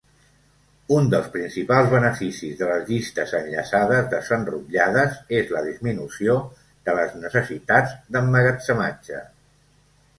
Un dels principals beneficis de les llistes enllaçades desenrotllades és la disminució de les necessitats d'emmagatzematge.